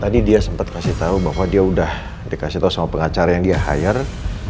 tadi dia sempat kasih tahu bahwa dia udah dikasih tau sama pengacara yang dia hire